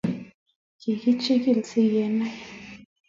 kichikili sigenai